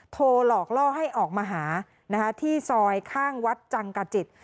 หลอกล่อให้ออกมาหาที่ซอยข้างวัดจังกะจิต